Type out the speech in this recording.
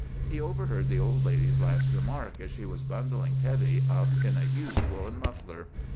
He overheard the old lady's last remark, as she was bundling Teddy up in a huge woollen muffler.